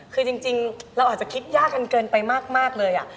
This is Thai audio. คือจริงเราอาจจะคิดยากกันเกินไปมากเลย